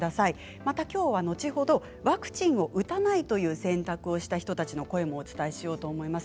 またきょうは後ほどワクチンを打たないという選択をした人たちの声もお伝えしようと思います。